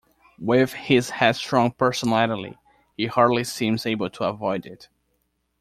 With his headstrong personality, he hardly seems able to avoid it.